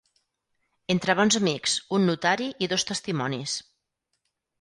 Entre bons amics, un notari i dos testimonis.